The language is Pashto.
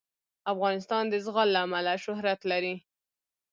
افغانستان د زغال له امله شهرت لري.